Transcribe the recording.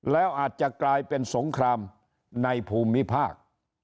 แล้วอาจจะกลายเป็นสงครามในภูมิภาค